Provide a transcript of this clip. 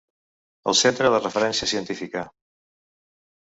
El centre de referència científica.